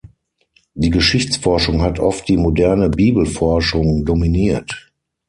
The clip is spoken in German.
Die Geschichtsforschung hat oft die moderne Bibelforschung dominiert.